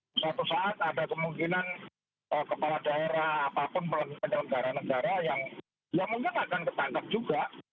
suatu saat ada kemungkinan kepala daerah apapun penyelenggara negara yang ya mungkin akan ketangkap juga